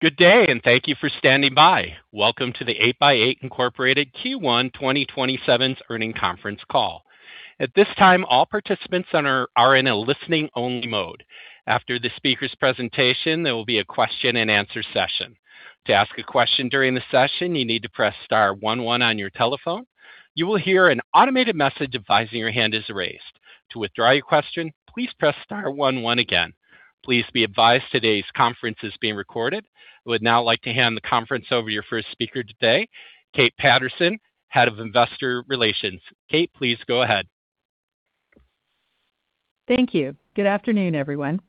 Good day. Thank you for standing by. Welcome to the 8x8, Inc. Q1 2027 earnings conference call. At this time, all participants are in a listening only mode. After the speaker's presentation, there will be a question and answer session. To ask a question during the session, you need to press star one one on your telephone. You will hear an automated message advising your hand is raised. To withdraw your question, please press star one one again. Please be advised today's conference is being recorded. I would now like to hand the conference over to your first speaker today, Kate Patterson, Head of Investor Relations. Kate, please go ahead. Thank you. Good afternoon, everyone.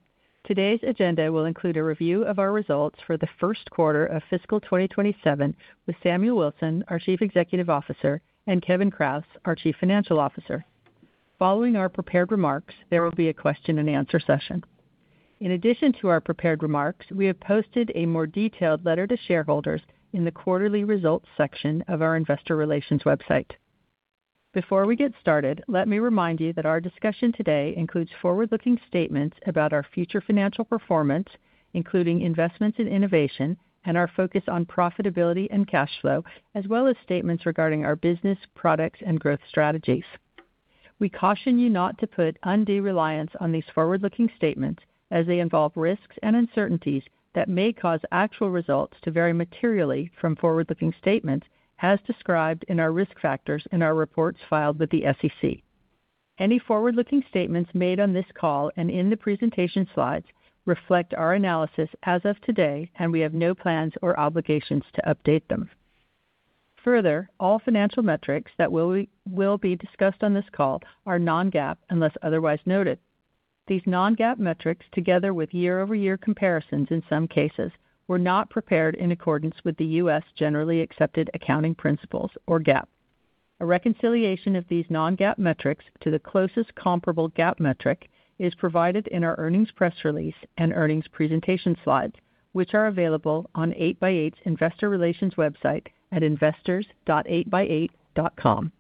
Today's agenda will include a review of our results for the first quarter of fiscal 2027 with Samuel Wilson, our Chief Executive Officer, and Kevin Kraus, our Chief Financial Officer. Following our prepared remarks, there will be a question and answer session. In addition to our prepared remarks, we have posted a more detailed letter to shareholders in the quarterly results section of our investor relations website. Before we get started, let me remind you that our discussion today includes forward-looking statements about our future financial performance, including investments in innovation and our focus on profitability and cash flow, as well as statements regarding our business, products, and growth strategies. We caution you not to put undue reliance on these forward-looking statements as they involve risks and uncertainties that may cause actual results to vary materially from forward-looking statements, as described in our risk factors in our reports filed with the SEC. Any forward-looking statements made on this call and in the presentation slides reflect our analysis as of today. We have no plans or obligations to update them. Further, all financial metrics that will be discussed on this call are non-GAAP, unless otherwise noted. These non-GAAP metrics, together with year-over-year comparisons in some cases, were not prepared in accordance with the U.S. generally accepted accounting principles, or GAAP. A reconciliation of these non-GAAP metrics to the closest comparable GAAP metric is provided in our earnings press release and earnings presentation slides, which are available on 8x8's investor relations website at investors.8x8.com. With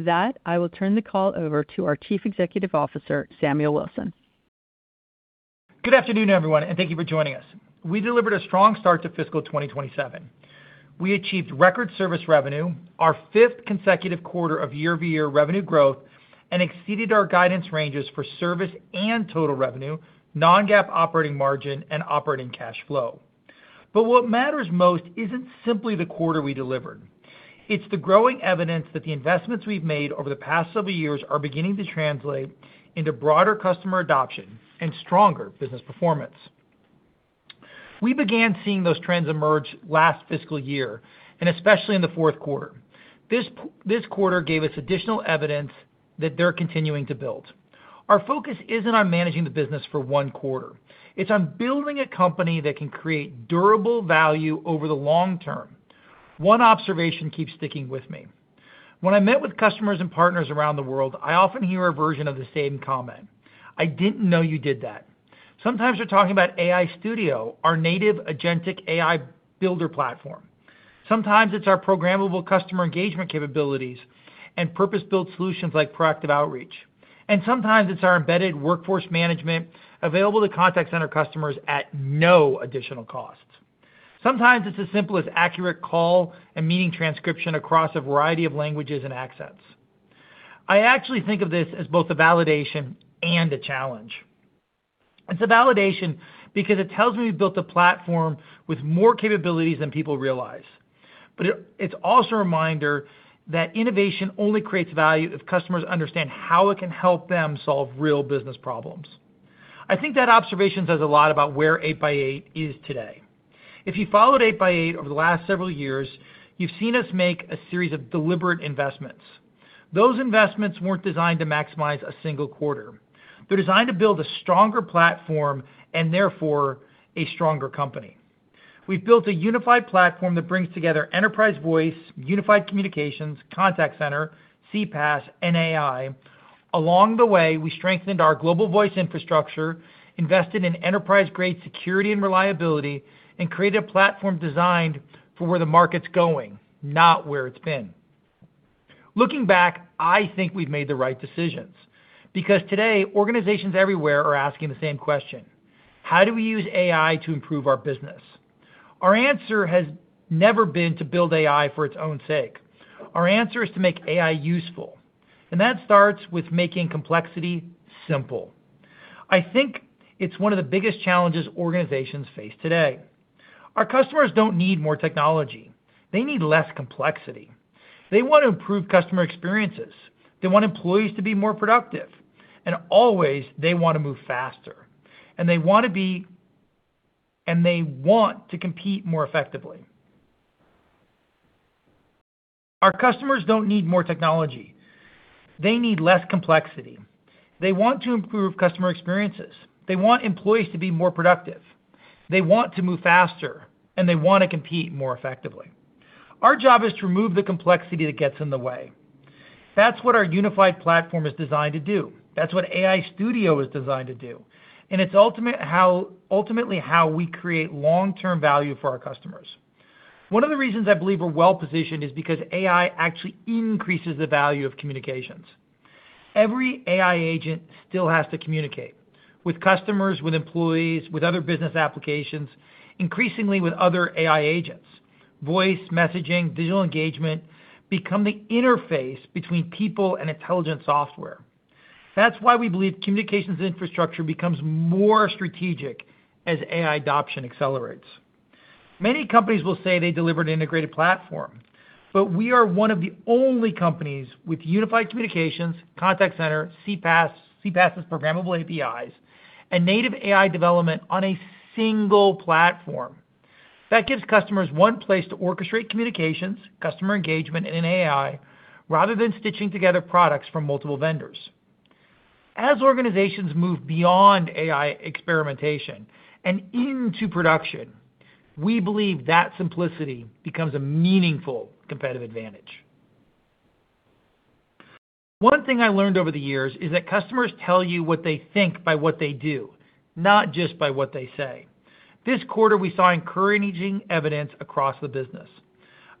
that, I will turn the call over to our Chief Executive Officer, Samuel Wilson. Good afternoon, everyone, and thank you for joining us. We delivered a strong start to fiscal 2027. We achieved record service revenue, our fifth consecutive quarter of year-over-year revenue growth, and exceeded our guidance ranges for service and total revenue, non-GAAP operating margin, and operating cash flow. What matters most isn't simply the quarter we delivered. It's the growing evidence that the investments we've made over the past several years are beginning to translate into broader customer adoption and stronger business performance. We began seeing those trends emerge last fiscal year, and especially in the fourth quarter. This quarter gave us additional evidence that they're continuing to build. Our focus isn't on managing the business for one quarter. It's on building a company that can create durable value over the long term. One observation keeps sticking with me. When I met with customers and partners around the world, I often hear a version of the same comment, "I didn't know you did that." Sometimes they're talking about 8x8 AI Studio, our native agentic AI builder platform. Sometimes it's our programmable customer engagement capabilities and purpose-built solutions like proactive outreach. Sometimes it's our embedded 8x8 Workforce Management available to Contact Center customers at no additional cost. Sometimes it's as simple as accurate call and meeting transcription across a variety of languages and accents. I actually think of this as both a validation and a challenge. It's a validation because it tells me we've built a platform with more capabilities than people realize. It's also a reminder that innovation only creates value if customers understand how it can help them solve real business problems. I think that observation says a lot about where 8x8 is today. If you followed 8x8 over the last several years, you've seen us make a series of deliberate investments. Those investments weren't designed to maximize a single quarter. They're designed to build a stronger platform and therefore a stronger company. We've built a unified platform that brings together enterprise voice, Unified Communications, Contact Center, CPaaS, and AI. Along the way, we strengthened our global voice infrastructure, invested in enterprise-grade security and reliability, and created a platform designed for where the market's going, not where it's been. Looking back, I think we've made the right decisions, because today, organizations everywhere are asking the same question: how do we use AI to improve our business? Our answer has never been to build AI for its own sake. Our answer is to make AI useful, and that starts with making complexity simple. I think it's one of the biggest challenges organizations face today. Our customers don't need more technology. They need less complexity. They want to improve customer experiences. They want employees to be more productive. Always, they want to move faster, and they want to compete more effectively. Our customers don't need more technology. They need less complexity. They want to improve customer experiences. They want employees to be more productive. They want to move faster, and they want to compete more effectively. Our job is to remove the complexity that gets in the way. That's what our unified platform is designed to do. That's what 8x8 AI Studio is designed to do. It's ultimately how we create long-term value for our customers. One of the reasons I believe we're well-positioned is because AI actually increases the value of communications. Every AI agent still has to communicate with customers, with employees, with other business applications, increasingly with other AI agents. Voice messaging, digital engagement, become the interface between people and intelligent software. We believe communications infrastructure becomes more strategic as AI adoption accelerates. We are one of the only companies with unified communications, contact center, CPaaS's programmable APIs, and native AI development on a single platform. That gives customers one place to orchestrate communications, customer engagement, and AI, rather than stitching together products from multiple vendors. As organizations move beyond AI experimentation and into production, we believe that simplicity becomes a meaningful competitive advantage. One thing I learned over the years is that customers tell you what they think by what they do, not just by what they say. This quarter, we saw encouraging evidence across the business.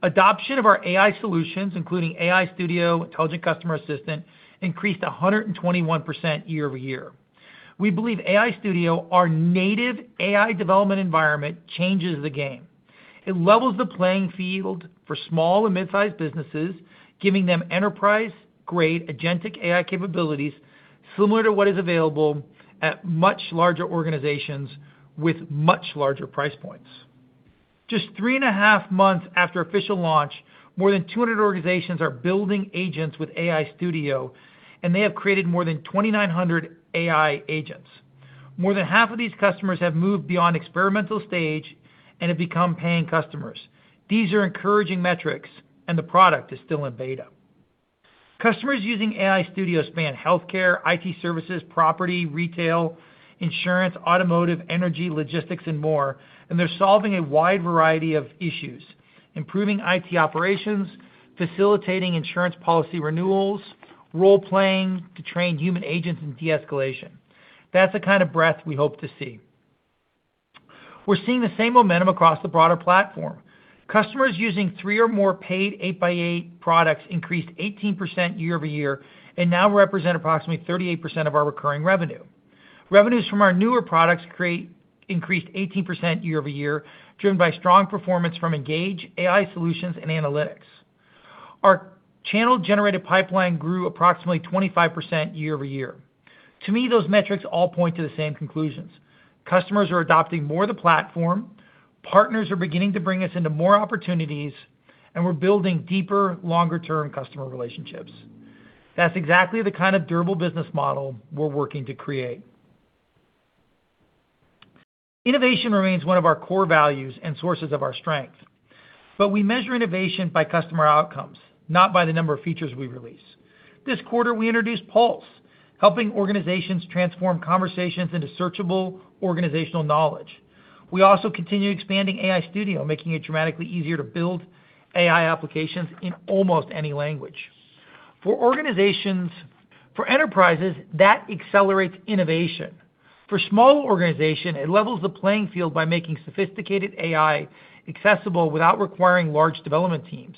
Adoption of our AI solutions, including AI Studio, Intelligent Customer Assistant, increased 121% year-over-year. We believe AI Studio, our native AI development environment, changes the game. It levels the playing field for small and mid-sized businesses, giving them enterprise-grade agentic AI capabilities similar to what is available at much larger organizations with much larger price points. Just three and a half months after official launch, more than 200 organizations are building agents with AI Studio. They have created more than 2,900 AI agents. More than half of these customers have moved beyond experimental stage and have become paying customers. These are encouraging metrics. The product is still in beta. Customers using AI Studio span healthcare, IT services, property, retail, insurance, automotive, energy, logistics, and more. They're solving a wide variety of issues, improving IT operations, facilitating insurance policy renewals, role-playing to train human agents in de-escalation. That's the kind of breadth we hope to see. We're seeing the same momentum across the broader platform. Customers using three or more paid 8x8 products increased 18% year-over-year. Now represent approximately 38% of our recurring revenue. Revenues from our newer products increased 18% year-over-year, driven by strong performance from Engage, AI Solutions, and Analytics. Our channel-generated pipeline grew approximately 25% year-over-year. To me, those metrics all point to the same conclusions. Customers are adopting more of the platform, partners are beginning to bring us into more opportunities. We're building deeper, longer-term customer relationships. That's exactly the kind of durable business model we're working to create. Innovation remains one of our core values and sources of our strength. We measure innovation by customer outcomes, not by the number of features we release. This quarter, we introduced Pulse, helping organizations transform conversations into searchable organizational knowledge. We also continue expanding AI Studio, making it dramatically easier to build AI applications in almost any language. For enterprises, that accelerates innovation. For small organizations, it levels the playing field by making sophisticated AI accessible without requiring large development teams.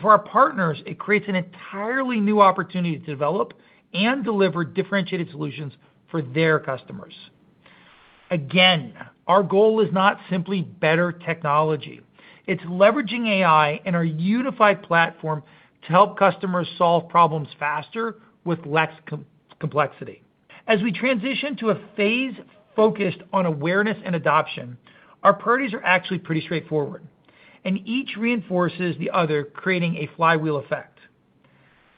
For our partners, it creates an entirely new opportunity to develop and deliver differentiated solutions for their customers. Again, our goal is not simply better technology. It's leveraging AI and our unified platform to help customers solve problems faster with less complexity. As we transition to a phase focused on awareness and adoption, our priorities are actually pretty straightforward. Each reinforces the other, creating a flywheel effect.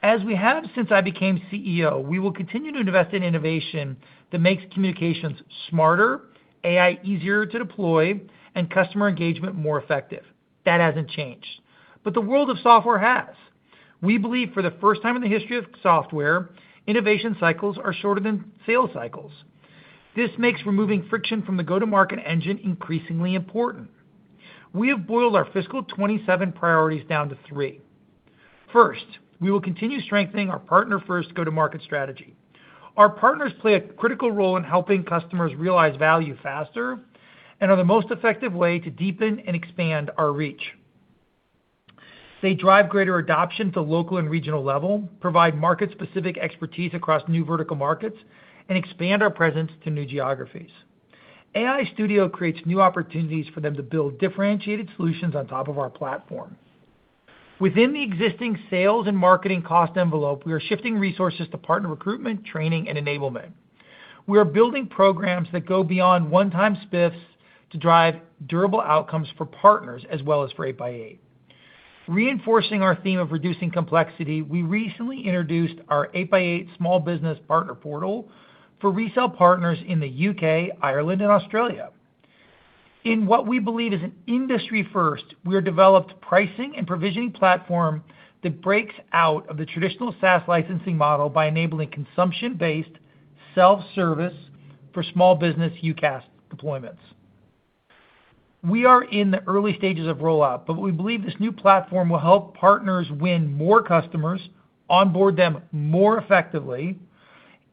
As we have since I became CEO, we will continue to invest in innovation that makes communications smarter, AI easier to deploy, and customer engagement more effective. That hasn't changed. The world of software has. We believe for the first time in the history of software, innovation cycles are shorter than sales cycles. This makes removing friction from the go-to-market engine increasingly important. We have boiled our fiscal 2027 priorities down to three. First, we will continue strengthening our partner-first go-to-market strategy. Our partners play a critical role in helping customers realize value faster and are the most effective way to deepen and expand our reach. They drive greater adoption at the local and regional level, provide market-specific expertise across new vertical markets, and expand our presence to new geographies. AI Studio creates new opportunities for them to build differentiated solutions on top of our platform. Within the existing sales and marketing cost envelope, we are shifting resources to partner recruitment, training, and enablement. We are building programs that go beyond one-time spiffs to drive durable outcomes for partners as well as for 8x8. Reinforcing our theme of reducing complexity, we recently introduced our 8x8 small business partner portal for resale partners in the U.K., Ireland, and Australia. In what we believe is an industry first, we have developed a pricing and provisioning platform that breaks out of the traditional SaaS licensing model by enabling consumption-based self-service for small business UCaaS deployments. We are in the early stages of rollout, but we believe this new platform will help partners win more customers, onboard them more effectively,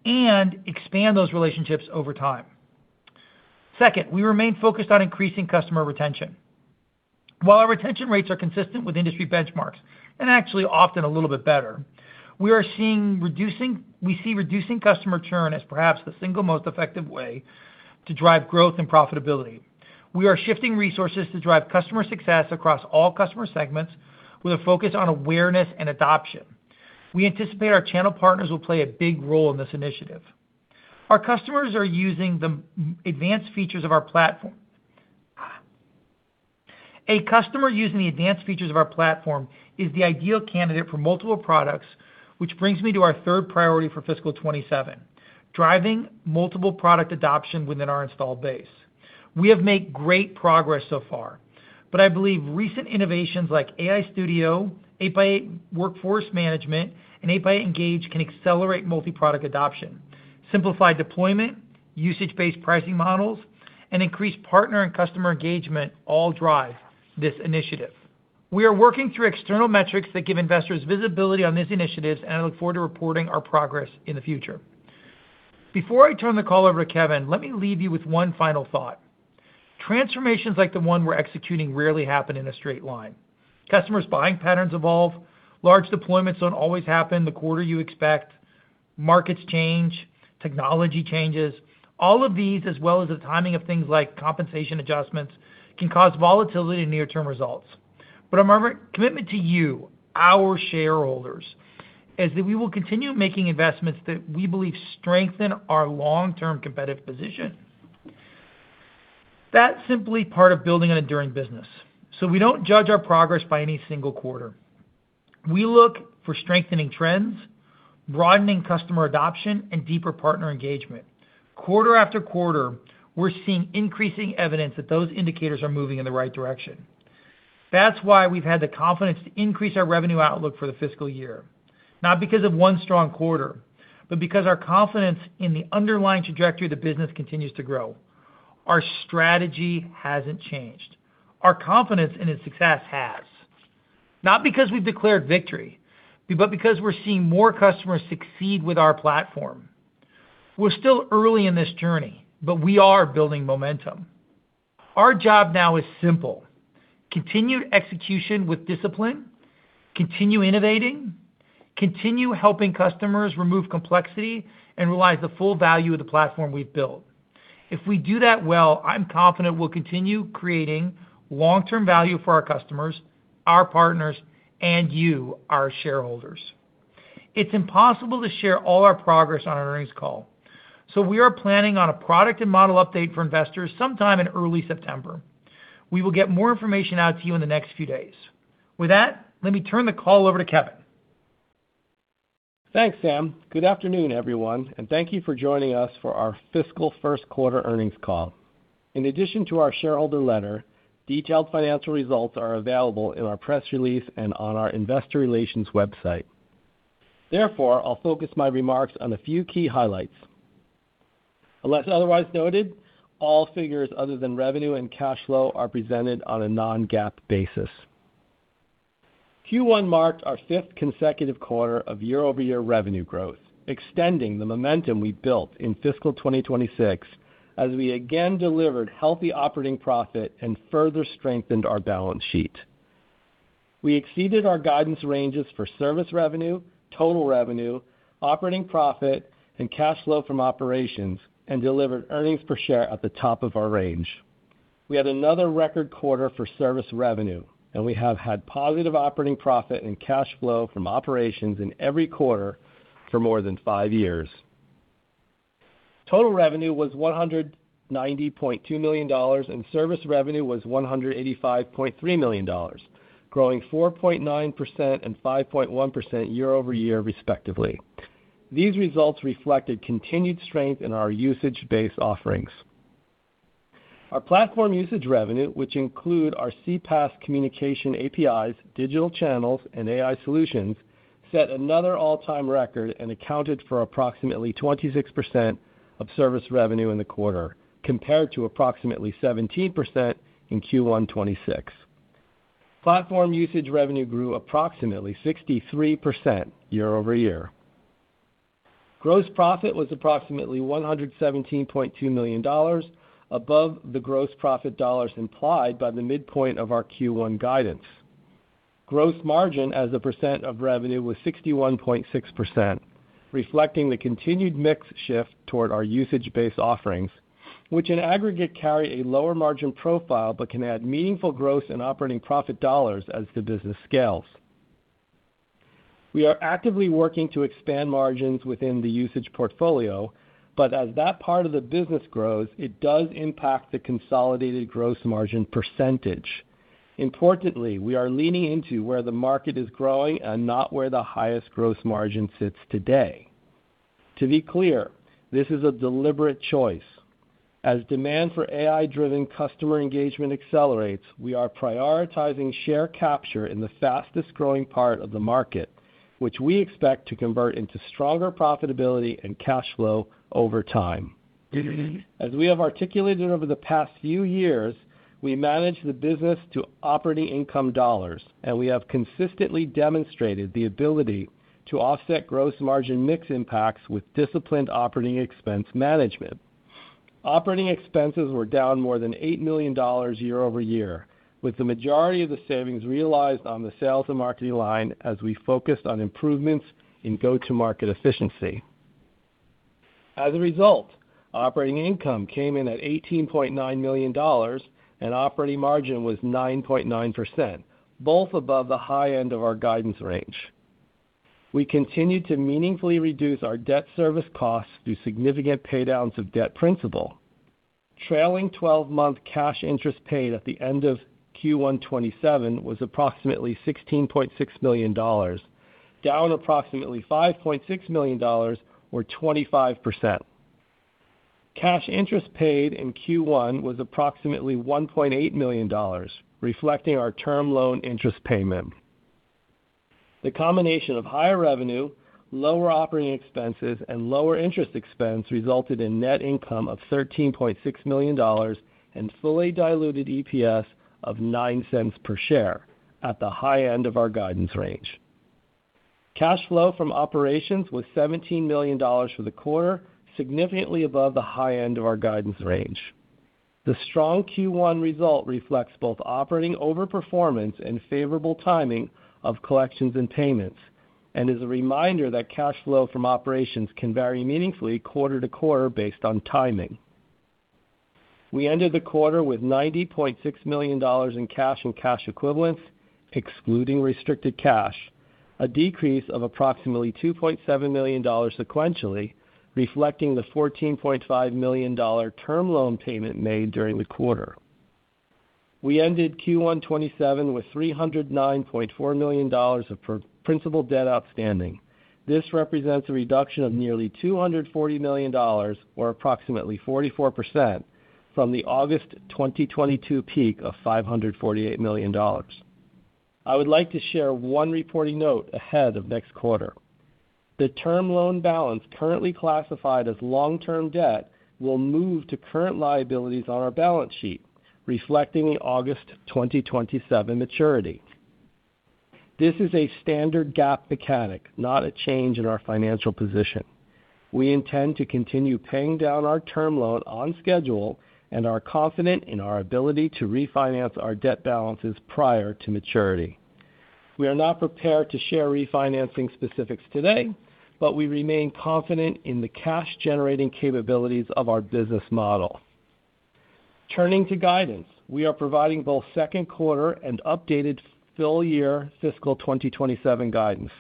and expand those relationships over time. Second, we remain focused on increasing customer retention. While our retention rates are consistent with industry benchmarks, and actually often a little bit better, we see reducing customer churn as perhaps the single most effective way to drive growth and profitability. We are shifting resources to drive customer success across all customer segments with a focus on awareness and adoption. We anticipate our channel partners will play a big role in this initiative. Our customers are using the advanced features of our platform. A customer using the advanced features of our platform is the ideal candidate for multiple products, which brings me to our third priority for fiscal 2027, driving multiple product adoption within our installed base. We have made great progress so far, but I believe recent innovations like AI Studio, 8x8 Workforce Management, and 8x8 Engage can accelerate multi-product adoption, simplify deployment, usage-based pricing models, and increase partner and customer engagement all drive this initiative. We are working through external metrics that give investors visibility on these initiatives, and I look forward to reporting our progress in the future. Before I turn the call over to Kevin, let me leave you with one final thought. Transformations like the one we're executing rarely happen in a straight line. Customers' buying patterns evolve. Large deployments don't always happen the quarter you expect. Markets change. Technology changes. All of these, as well as the timing of things like compensation adjustments, can cause volatility in near-term results. Our commitment to you, our shareholders, is that we will continue making investments that we believe strengthen our long-term competitive position. That's simply part of building an enduring business. We don't judge our progress by any single quarter. We look for strengthening trends, broadening customer adoption, and deeper partner engagement. Quarter after quarter, we're seeing increasing evidence that those indicators are moving in the right direction. That's why we've had the confidence to increase our revenue outlook for the fiscal year, not because of one strong quarter, but because our confidence in the underlying trajectory of the business continues to grow. Our strategy hasn't changed. Our confidence in its success has. Not because we've declared victory, but because we're seeing more customers succeed with our platform. We're still early in this journey, but we are building momentum. Our job now is simple. Continue execution with discipline, continue innovating, continue helping customers remove complexity, and realize the full value of the platform we've built. If we do that well, I'm confident we'll continue creating long-term value for our customers, our partners, and you, our shareholders. We are planning on a product and model update for investors sometime in early September. We will get more information out to you in the next few days. With that, let me turn the call over to Kevin. Thanks, Sam. Good afternoon, everyone, and thank you for joining us for our fiscal first quarter earnings call. In addition to our shareholder letter, detailed financial results are available in our press release and on our investor relations website. I'll focus my remarks on a few key highlights. Unless otherwise noted, all figures other than revenue and cash flow are presented on a non-GAAP basis. Q1 marked our fifth consecutive quarter of year-over-year revenue growth, extending the momentum we built in fiscal 2026 as we again delivered healthy operating profit and further strengthened our balance sheet. We exceeded our guidance ranges for service revenue, total revenue, operating profit, and cash flow from operations, and delivered earnings per share at the top of our range. We had another record quarter for service revenue, and we have had positive operating profit and cash flow from operations in every quarter for more than five years. Total revenue was $190.2 million, and service revenue was $185.3 million, growing 4.9% and 5.1% year-over-year, respectively. These results reflected continued strength in our usage-based offerings. Our platform usage revenue, which include our CPaaS communication APIs, digital channels, and AI solutions, set another all-time record and accounted for approximately 26% of service revenue in the quarter, compared to approximately 17% in Q1 2026. Platform usage revenue grew approximately 63% year-over-year. Gross profit was approximately $117.2 million, above the gross profit dollars implied by the midpoint of our Q1 guidance. Gross margin as a percent of revenue was 61.6%, reflecting the continued mix shift toward our usage-based offerings, which in aggregate carry a lower margin profile but can add meaningful gross and operating profit dollars as the business scales. We are actively working to expand margins within the usage portfolio, but as that part of the business grows, it does impact the consolidated gross margin percentage. Importantly, we are leaning into where the market is growing and not where the highest gross margin sits today. To be clear, this is a deliberate choice. As demand for AI-driven customer engagement accelerates, we are prioritizing share capture in the fastest-growing part of the market, which we expect to convert into stronger profitability and cash flow over time. As we have articulated over the past few years, we manage the business to operating income dollars, and we have consistently demonstrated the ability to offset gross margin mix impacts with disciplined operating expense management. Operating expenses were down more than $8 million year-over-year, with the majority of the savings realized on the sales and marketing line as we focused on improvements in go-to-market efficiency. As a result, operating income came in at $18.9 million, and operating margin was 9.9%, both above the high end of our guidance range. We continued to meaningfully reduce our debt service costs through significant pay-downs of debt principal. Trailing 12-month cash interest paid at the end of Q1 2027 was approximately $16.6 million, down approximately $5.6 million, or 25%. Cash interest paid in Q1 was approximately $1.8 million, reflecting our term loan interest payment. The combination of higher revenue, lower operating expenses, and lower interest expense resulted in net income of $13.6 million and fully diluted EPS of $0.09 per share at the high end of our guidance range. Cash flow from operations was $17 million for the quarter, significantly above the high end of our guidance range. The strong Q1 result reflects both operating over performance and favorable timing of collections and payments, and is a reminder that cash flow from operations can vary meaningfully quarter-to-quarter based on timing. We ended the quarter with $90.6 million in cash and cash equivalents, excluding restricted cash, a decrease of approximately $2.7 million sequentially, reflecting the $14.5 million term loan payment made during the quarter. We ended Q1 2027 with $309.4 million of principal debt outstanding. This represents a reduction of nearly $240 million, or approximately 44%, from the August 2022 peak of $548 million. I would like to share one reporting note ahead of next quarter. The term loan balance currently classified as long-term debt will move to current liabilities on our balance sheet, reflecting the August 2027 maturity. This is a standard GAAP mechanic, not a change in our financial position. We intend to continue paying down our term loan on schedule and are confident in our ability to refinance our debt balances prior to maturity. We are not prepared to share refinancing specifics today, but we remain confident in the cash-generating capabilities of our business model. Turning to guidance, we are providing both second quarter and updated full year fiscal 2027 guidance.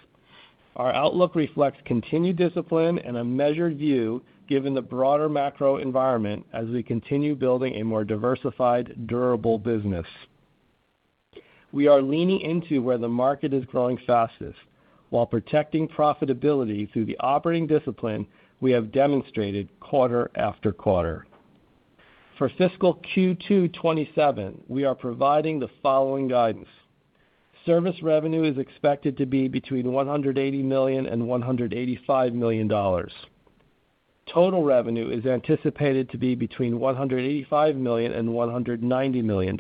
Our outlook reflects continued discipline and a measured view given the broader macro environment as we continue building a more diversified, durable business. We are leaning into where the market is growing fastest while protecting profitability through the operating discipline we have demonstrated quarter-after-quarter. For fiscal Q2 2027, we are providing the following guidance. Service revenue is expected to be between $180 million and $185 million. Total revenue is anticipated to be between $185 million and $190 million.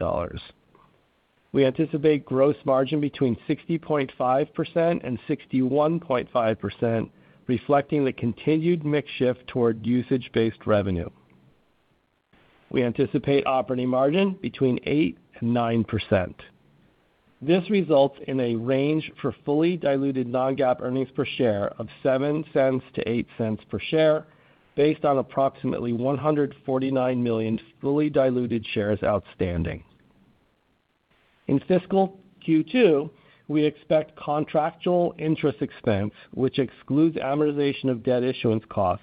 We anticipate gross margin between 60.5% and 61.5%, reflecting the continued mix shift toward usage-based revenue. We anticipate operating margin between 8% and 9%. This results in a range for fully diluted non-GAAP earnings per share of $0.07 to $0.08 per share based on approximately 149 million fully diluted shares outstanding. In fiscal Q2, we expect contractual interest expense, which excludes amortization of debt issuance costs,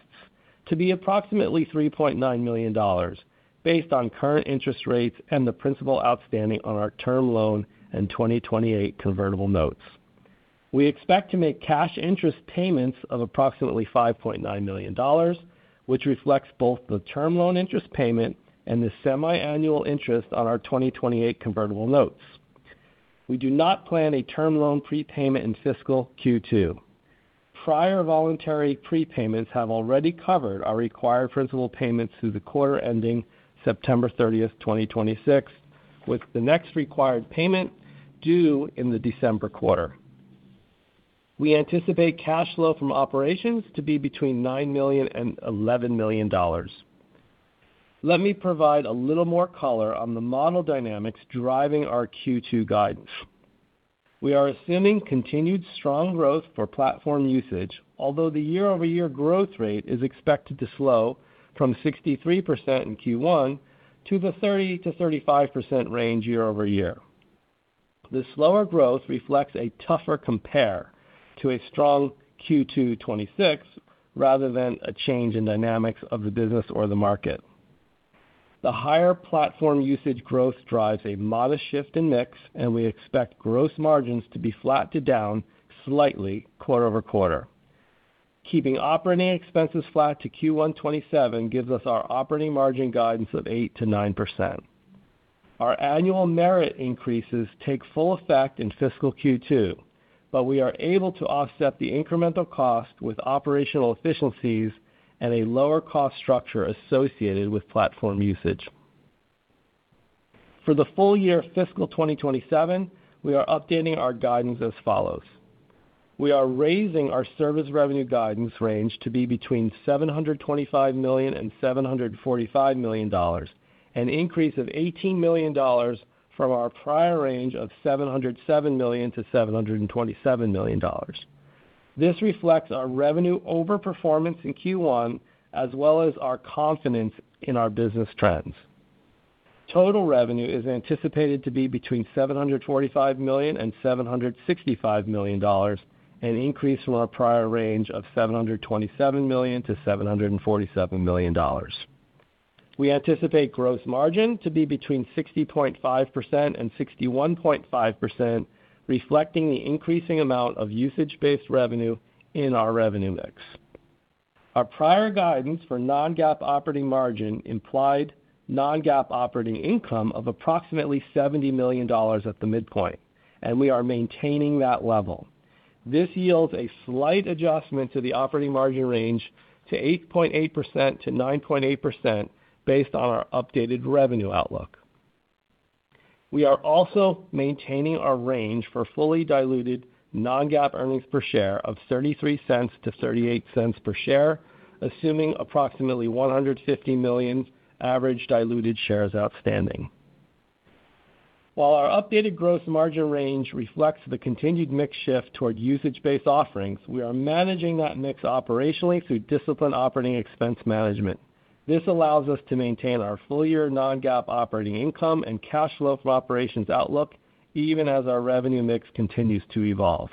to be approximately $3.9 million based on current interest rates and the principal outstanding on our term loan and 2028 convertible notes. We expect to make cash interest payments of approximately $5.9 million, which reflects both the term loan interest payment and the semiannual interest on our 2028 convertible notes. We do not plan a term loan prepayment in fiscal Q2. Prior voluntary prepayments have already covered our required principal payments through the quarter ending September 30th, 2026, with the next required payment due in the December quarter. We anticipate cash flow from operations to be between $9 million and $11 million. Let me provide a little more color on the model dynamics driving our Q2 guidance. We are assuming continued strong growth for platform usage, although the year-over-year growth rate is expected to slow from 63% in Q1 to the 30%-35% range year-over-year. The slower growth reflects a tougher compare to a strong Q2 2026 rather than a change in dynamics of the business or the market. The higher platform usage growth drives a modest shift in mix. We expect gross margins to be flat to down slightly quarter-over-quarter. Keeping operating expenses flat to Q1 2027 gives us our operating margin guidance of 8%-9%. Our annual merit increases take full effect in fiscal Q2. We are able to offset the incremental cost with operational efficiencies and a lower cost structure associated with platform usage. For the full year fiscal 2027, we are updating our guidance as follows. We are raising our service revenue guidance range to be between $725 million and $745 million, an increase of $18 million from our prior range of $707 million to $727 million. This reflects our revenue over-performance in Q1, as well as our confidence in our business trends. Total revenue is anticipated to be between $745 million and $765 million, an increase from our prior range of $727 million to $747 million. We anticipate gross margin to be between 60.5%-61.5%, reflecting the increasing amount of usage-based revenue in our revenue mix. Our prior guidance for non-GAAP operating margin implied non-GAAP operating income of approximately $70 million at the midpoint. We are maintaining that level. This yields a slight adjustment to the operating margin range to 8.8%-9.8%, based on our updated revenue outlook. We are also maintaining our range for fully diluted non-GAAP earnings per share of $0.33-$0.38 per share, assuming approximately 150 million average diluted shares outstanding. While our updated gross margin range reflects the continued mix shift toward usage-based offerings, we are managing that mix operationally through disciplined operating expense management. This allows us to maintain our full-year non-GAAP operating income and cash flow from operations outlook, even as our revenue mix continues to evolve.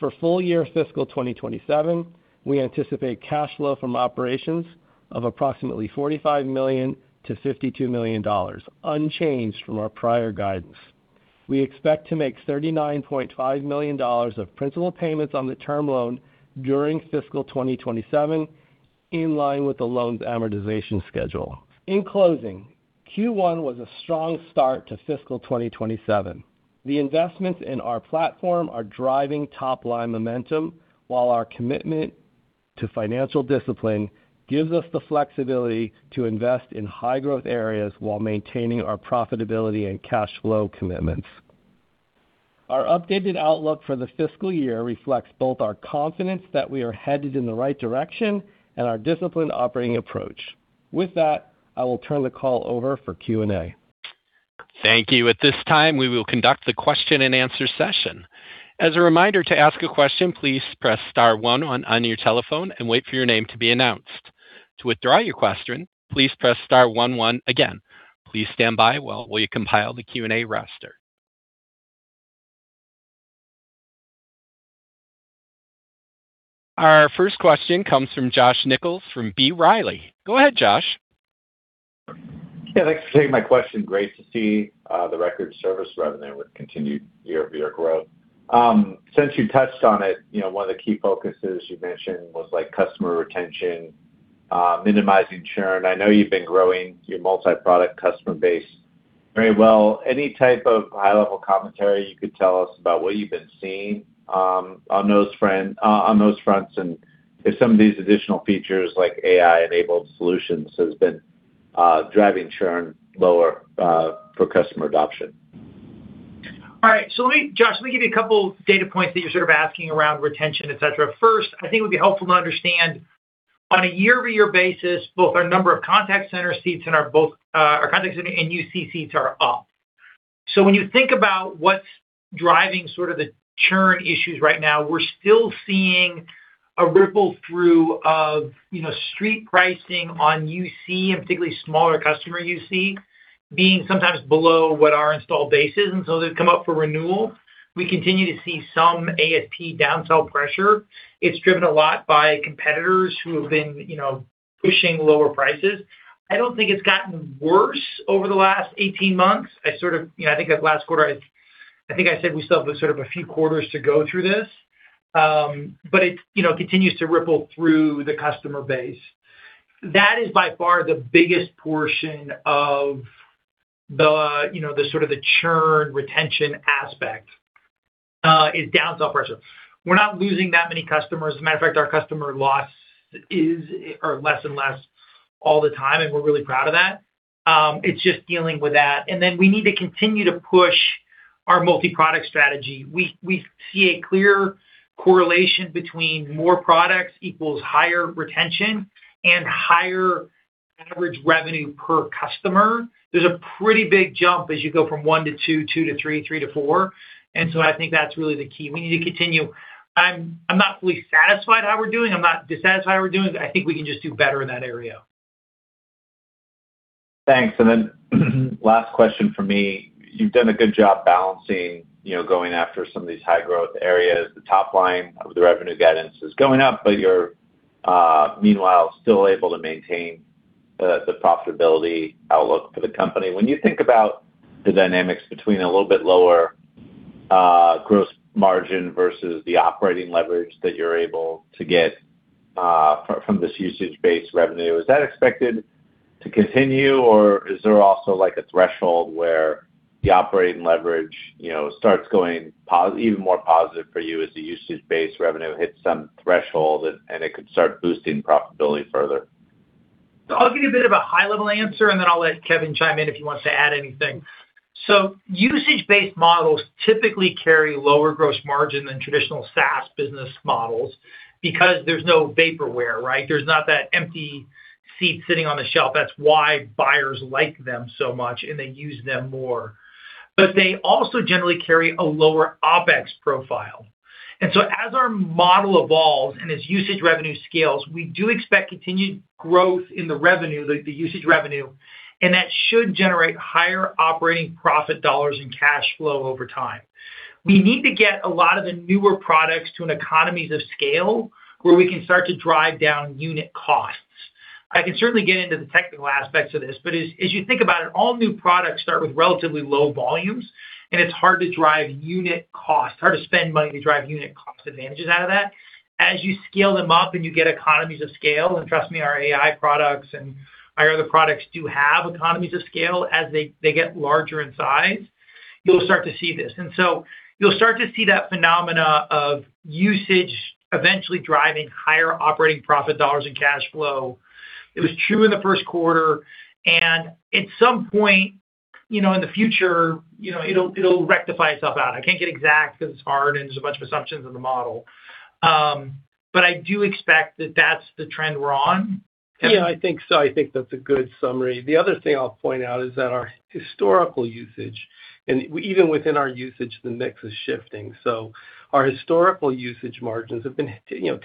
For full year fiscal 2027, we anticipate cash flow from operations of approximately $45 million to $52 million, unchanged from our prior guidance. We expect to make $39.5 million of principal payments on the term loan during fiscal 2027, in line with the loan's amortization schedule. In closing, Q1 was a strong start to fiscal 2027. The investments in our platform are driving top-line momentum, while our commitment to financial discipline gives us the flexibility to invest in high-growth areas while maintaining our profitability and cash flow commitments. Our updated outlook for the fiscal year reflects both our confidence that we are headed in the right direction and our disciplined operating approach. With that, I will turn the call over for Q&A. Thank you. At this time, we will conduct the question-and-answer session. As a reminder, to ask a question, please press star one on your telephone and wait for your name to be announced. To withdraw your question, please press star one one again. Please stand by while we compile the Q&A roster. Our first question comes from Josh Nichols from B. Riley. Go ahead, Josh. Yeah, thanks for taking my question. Great to see the record service revenue with continued year-over-year growth. Since you touched on it, one of the key focuses you mentioned was customer retention, minimizing churn. I know you've been growing your multi-product customer base very well. Any type of high-level commentary you could tell us about what you've been seeing on those fronts, and if some of these additional features, like AI-enabled solutions, has been driving churn lower for customer adoption? All right. Josh, let me give you a couple data points that you're sort of asking around retention, et cetera. First, I think it would be helpful to understand on a year-over-year basis, both our number of contact center seats in our contact center and UC seats are up. When you think about what's driving sort of the churn issues right now, we're still seeing a ripple through of street pricing on UC, and particularly smaller customer UC, being sometimes below what our installed base is. They've come up for renewal. We continue to see some ASP downsell pressure. It's driven a lot by competitors who have been pushing lower prices. I don't think it's gotten worse over the last 18 months. I think last quarter, I think I said we still have a sort of a few quarters to go through this. It continues to ripple through the customer base. That is by far the biggest portion of the sort of the churn retention aspect, is downsell pressure. We're not losing that many customers. As a matter of fact, our customer loss is less and less all the time, and we're really proud of that. It's just dealing with that. We need to continue to push our multi-product strategy. We see a clear correlation between more products equals higher retention and higher average revenue per customer. There's a pretty big jump as you go from one to two to three to four. I think that's really the key. We need to continue. I'm not fully satisfied how we're doing. I'm not dissatisfied how we're doing. I think we can just do better in that area. Thanks. Last question from me. You've done a good job balancing going after some of these high-growth areas. The top line of the revenue guidance is going up, you're, meanwhile, still able to maintain the profitability outlook for the company. When you think about the dynamics between a little bit lower gross margin versus the operating leverage that you're able to get from this usage-based revenue, is that expected to continue, or is there also a threshold where the operating leverage starts going even more positive for you as the usage-based revenue hits some threshold, and it could start boosting profitability further. I'll give you a bit of a high-level answer, and then I'll let Kevin chime in if he wants to add anything. Usage-based models typically carry lower gross margin than traditional SaaS business models because there's no vaporware, right? There's not that empty seat sitting on the shelf. That's why buyers like them so much, and they use them more. They also generally carry a lower OpEx profile. As our model evolves and as usage revenue scales, we do expect continued growth in the revenue, the usage revenue, and that should generate higher operating profit dollars in cash flow over time. We need to get a lot of the newer products to an economies of scale where we can start to drive down unit costs. I can certainly get into the technical aspects of this, as you think about it, all new products start with relatively low volumes, and it's hard to drive unit costs, hard to spend money to drive unit cost advantages out of that. As you scale them up and you get economies of scale, and trust me, our AI products and our other products do have economies of scale as they get larger in size, you'll start to see this. You'll start to see that phenomena of usage eventually driving higher operating profit dollars in cash flow. It was true in the first quarter, and at some point, in the future, it'll rectify itself out. I can't get exact because it's hard, and there's a bunch of assumptions in the model. I do expect that that's the trend we're on. Kevin? Yeah, I think so. I think that's a good summary. The other thing I'll point out is that our historical usage, and even within our usage, the mix is shifting. Our historical usage margins have been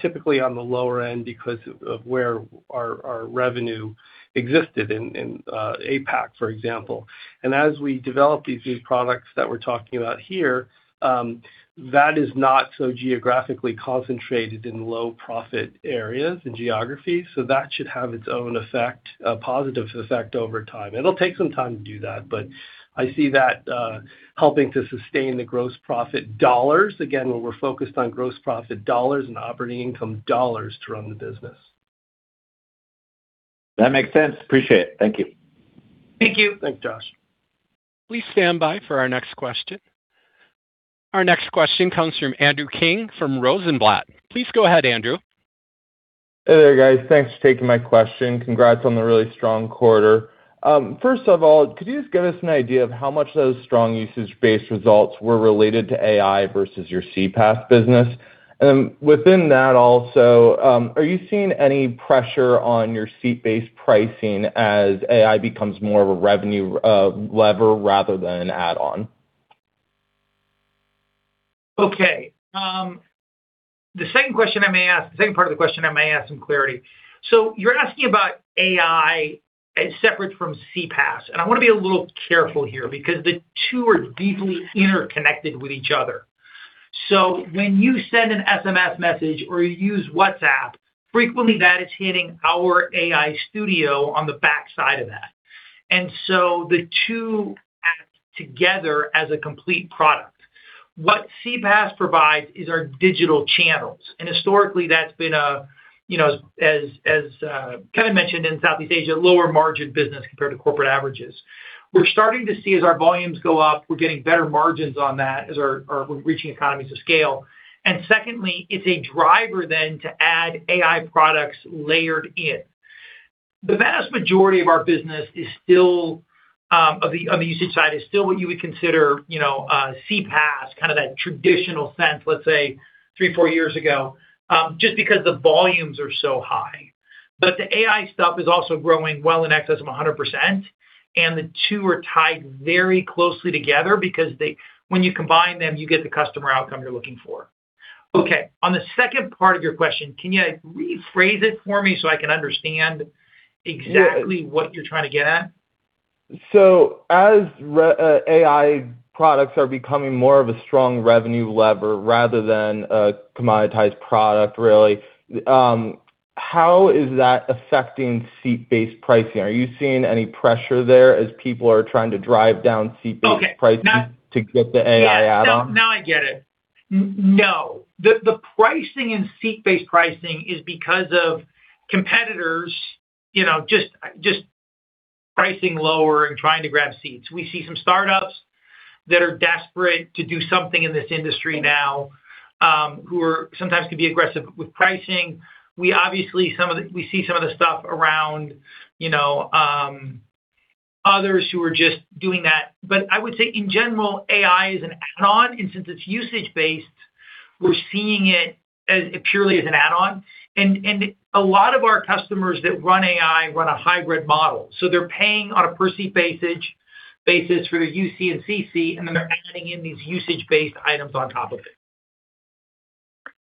typically on the lower end because of where our revenue existed in APAC, for example. As we develop these new products that we're talking about here, that is not so geographically concentrated in low-profit areas and geographies. That should have its own effect, a positive effect over time. It'll take some time to do that, but I see that helping to sustain the gross profit dollars. Again, when we're focused on gross profit dollars and operating income dollars to run the business. That makes sense. Appreciate it. Thank you. Thank you. Thanks, Josh. Please stand by for our next question. Our next question comes from Andrew King from Rosenblatt. Please go ahead, Andrew. Hey there, guys. Thanks for taking my question. Congrats on the really strong quarter. First of all, could you just give us an idea of how much those strong usage-based results were related to AI versus your CPaaS business? Within that also, are you seeing any pressure on your seat-based pricing as AI becomes more of a revenue lever rather than an add-on? Okay. The second part of the question, I may add some clarity. You're asking about AI as separate from CPaaS, and I want to be a little careful here because the two are deeply interconnected with each other. When you send an SMS message or you use WhatsApp, frequently that is hitting our 8x8 AI Studio on the backside of that. The two act together as a complete product. What CPaaS provides is our digital channels, and historically, that's been, as Kevin mentioned, in Southeast Asia, lower-margin business compared to corporate averages. We're starting to see as our volumes go up, we're getting better margins on that as we're reaching economies of scale. Secondly, it's a driver then to add AI products layered in. The vast majority of our business of the usage side is still what you would consider CPaaS, kind of that traditional sense, let's say, three, four years ago, just because the volumes are so high. The AI stuff is also growing well in excess of 100%, and the two are tied very closely together because when you combine them, you get the customer outcome you're looking for. Okay. On the second part of your question, can you rephrase it for me so I can understand exactly what you're trying to get at? As AI products are becoming more of a strong revenue lever rather than a commoditized product, really, how is that affecting seat-based pricing? Are you seeing any pressure there as people are trying to drive down seat-based pricing- Okay to get the AI add-on? Now I get it. No. The pricing in seat-based pricing is because of competitors just pricing lower and trying to grab seats. We see some startups that are desperate to do something in this industry now, who sometimes can be aggressive with pricing. We see some of the stuff around others who are just doing that. But I would say in general, AI is an add-on, and since it's usage-based, we're seeing it purely as an add-on. A lot of our customers that run AI run a hybrid model. They're paying on a per seat basis for their UC and CC, and then they're adding in these usage-based items on top of it.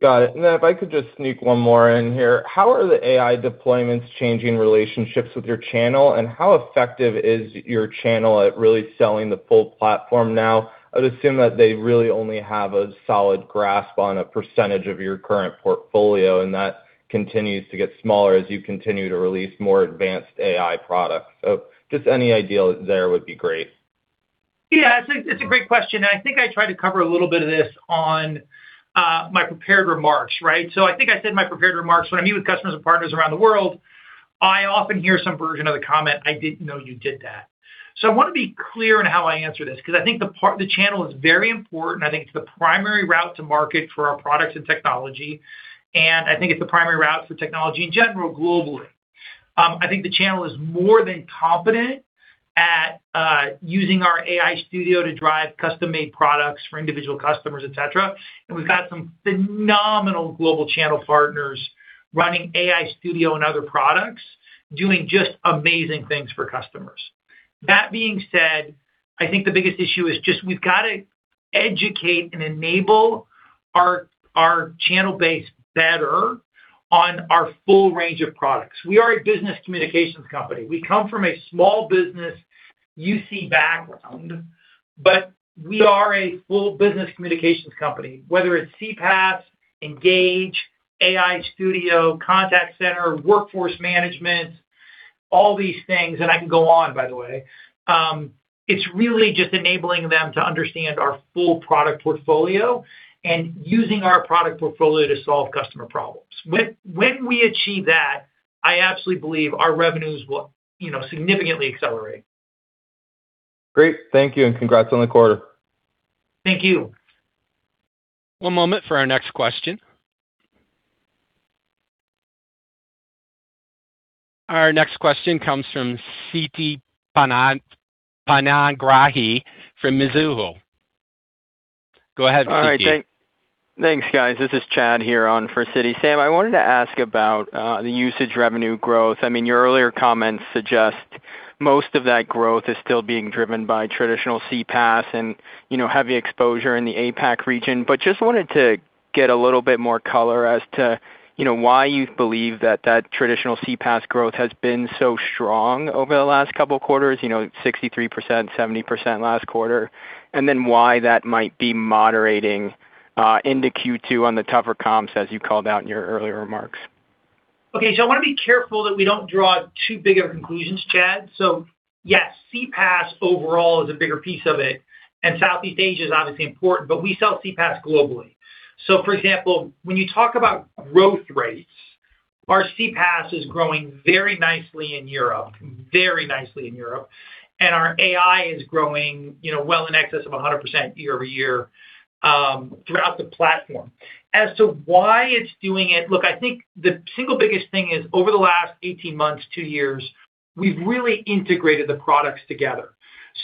Got it. Then if I could just sneak one more in here, how are the AI deployments changing relationships with your channel, and how effective is your channel at really selling the full platform now? I'd assume that they really only have a solid grasp on a percentage of your current portfolio, and that continues to get smaller as you continue to release more advanced AI products. Just any idea there would be great. It's a great question, I think I tried to cover a little bit of this on my prepared remarks, right? I think I said in my prepared remarks, when I meet with customers and partners around the world I often hear some version of the comment, "I didn't know you did that." I want to be clear in how I answer this, because I think the channel is very important. I think it's the primary route to market for our products and technology, I think it's a primary route for technology in general globally. I think the channel is more than competent at using our AI Studio to drive custom-made products for individual customers, et cetera. We've got some phenomenal global channel partners running AI Studio and other products, doing just amazing things for customers. That being said, I think the biggest issue is just we've got to educate and enable our channel base better on our full range of products. We are a business communications company. We come from a small business UC background, but we are a full business communications company. Whether it's CPaaS, Engage, AI Studio, contact center, Workforce Management, all these things, I can go on by the way. It's really just enabling them to understand our full product portfolio and using our product portfolio to solve customer problems. When we achieve that, I absolutely believe our revenues will significantly accelerate. Great. Thank you, congrats on the quarter. Thank you. One moment for our next question. Our next question comes from Siti Panigrahi from Mizuho. Go ahead, Siti. All right. Thanks, guys. This is Chad here on for iti. Sam, I wanted to ask about the usage revenue growth. Your earlier comments suggest most of that growth is still being driven by traditional CPaaS and heavy exposure in the APAC region, just wanted to get a little bit more color as to why you believe that traditional CPaaS growth has been so strong over the last couple of quarters, 63%, 70% last quarter. Why that might be moderating into Q2 on the tougher comps as you called out in your earlier remarks. Okay. I want to be careful that we don't draw too big of conclusions, Chad. Yes, CPaaS overall is a bigger piece of it, and Southeast Asia is obviously important, we sell CPaaS globally. For example, when you talk about growth rates, our CPaaS is growing very nicely in Europe. Our AI is growing well in excess of 100% year-over-year throughout the platform. As to why it's doing it, look, I think the single biggest thing is over the last 18 months, two years, we've really integrated the products together.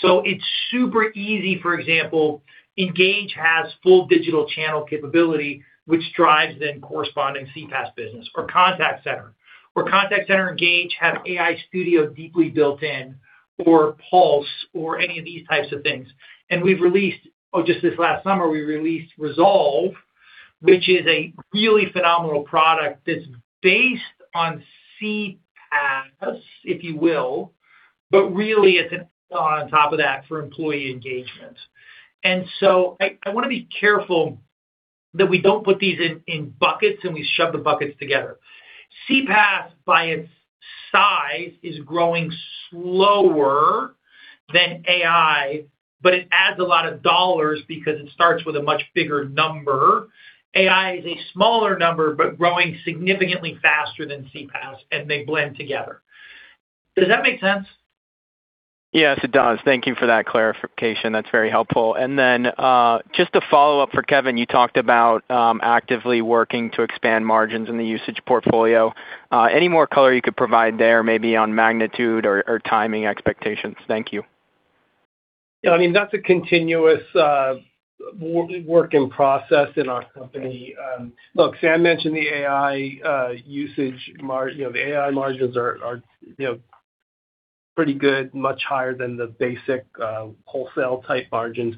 It's super easy. For example, Engage has full digital channel capability, which drives then corresponding CPaaS business or contact center. Contact center Engage has AI Studio deeply built in for Pulse or any of these types of things. Just this last summer, we released Resolve, which is a really phenomenal product that's based on CPaaS, if you will, but really it's on top of that for employee engagement. I want to be careful that we don't put these in buckets and we shove the buckets together. CPaaS by its size is growing slower than AI, but it adds a lot of dollars because it starts with a much bigger number. AI is a smaller number, but growing significantly faster than CPaaS, and they blend together. Does that make sense? Yes, it does. Thank you for that clarification. That's very helpful. Then, just a follow-up for Kevin. You talked about actively working to expand margins in the usage portfolio. Any more color you could provide there, maybe on magnitude or timing expectations? Thank you. Yeah, that's a continuous work in process in our company. Look, Sam mentioned the AI usage. The AI margins are pretty good, much higher than the basic wholesale-type margins.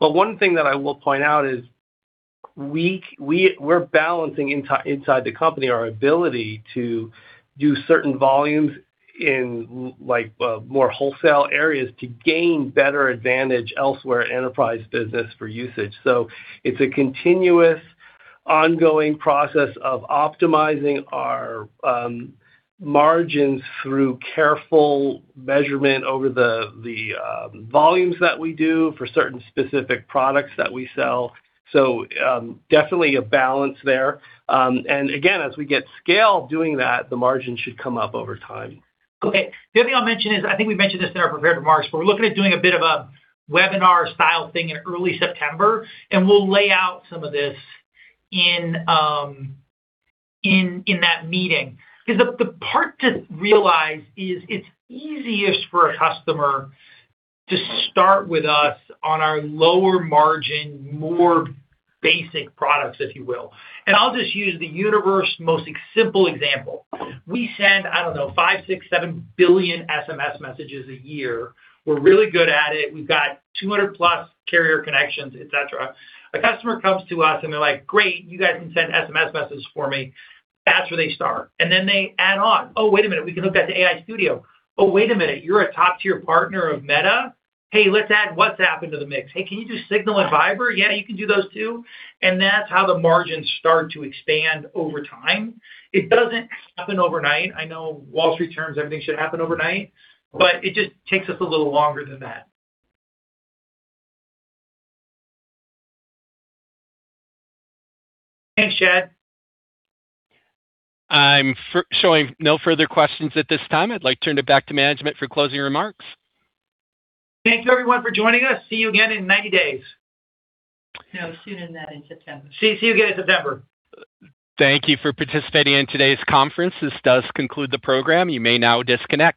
One thing that I will point out is we're balancing inside the company our ability to do certain volumes in more wholesale areas to gain better advantage elsewhere enterprise business for usage. It's a continuous ongoing process of optimizing our margins through careful measurement over the volumes that we do for certain specific products that we sell. Definitely a balance there. Again, as we get scale doing that, the margins should come up over time. Okay. The other thing I'll mention is, I think we mentioned this in our prepared remarks, we're looking at doing a bit of a webinar-style thing in early September, we'll lay out some of this in that meeting. The part to realize is it's easiest for a customer to start with us on our lower margin, more basic products, if you will. I'll just use the universe's most simple example. We send, I don't know, five, six, seven billion SMS messages a year. We're really good at it. We've got 200-plus carrier connections, et cetera. A customer comes to us, they're like, "Great, you guys can send SMS messages for me." That's where they start. Then they add on, "Oh, wait a minute, we can hook that to AI Studio. Oh, wait a minute. You're a top-tier partner of Meta? Hey, let's add WhatsApp into the mix. Hey, can you do Signal and Viber?" "Yeah, you can do those too." That's how the margins start to expand over time. It doesn't happen overnight. I know Wall Street terms, everything should happen overnight, it just takes us a little longer than that. Thanks, Chad. I'm showing no further questions at this time. I'd like to turn it back to management for closing remarks. Thanks everyone for joining us. See you again in 90 days. No, sooner than that in September. See you again in September. Thank you for participating in today's conference. This does conclude the program. You may now disconnect.